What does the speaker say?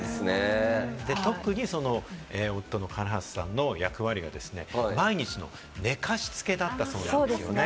特に夫の唐橋さんの役割がですね、毎日の寝かしつけだったそうですね。